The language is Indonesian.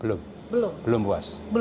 belum belum puas